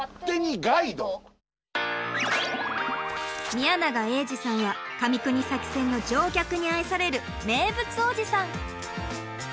宮永英次さんは上国崎線の乗客に愛される名物おじさん。